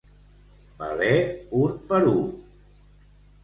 Valer un Perú.